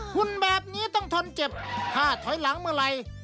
หุ่นแบบนี้ต้องทนเจ็บถ้าถอยหลังเมื่อไหร่